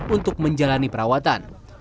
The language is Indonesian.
untuk menjalani perawatan